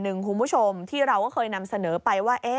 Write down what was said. คุณผู้ชมที่เราก็เคยนำเสนอไปว่า